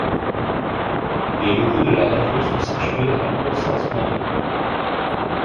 Les locaux de la radio sont situés à Pont-Sainte-Marie.